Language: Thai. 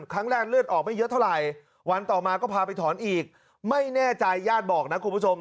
เลือดออกไม่เยอะเท่าไหร่วันต่อมาก็พาไปถอนอีกไม่แน่ใจญาติบอกนะคุณผู้ชม